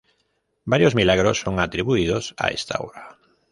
Varios milagros son atribuidos a esta obra.